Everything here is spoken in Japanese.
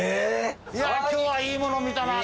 いや今日はいいもの見たな！